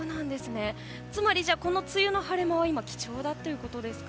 つまり梅雨の晴れ間は貴重だということですか。